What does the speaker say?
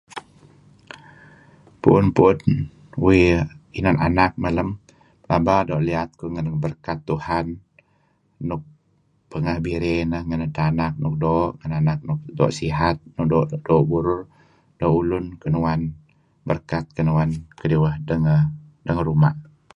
Puun-puun uih inan anak malem pelaba doo' liat kuh ngen berkat Tuhan nuk pangeh birey neh ngen edteh anak nuk doo' ken anak nuk doo' sihat, doo' burur, doo' ulun kinuan berkat kinuan kediweh dengaruma'.